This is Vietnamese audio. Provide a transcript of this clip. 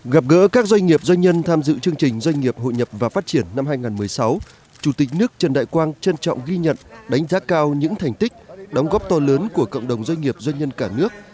gặp gỡ các doanh nghiệp doanh nhân tham dự chương trình doanh nghiệp hội nhập và phát triển năm hai nghìn một mươi sáu chủ tịch nước trần đại quang trân trọng ghi nhận đánh giá cao những thành tích đóng góp to lớn của cộng đồng doanh nghiệp doanh nhân cả nước